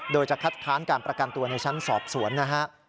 โดยจะคัดค้านการประกันตัวในชั้นสอบสวนนะฮะ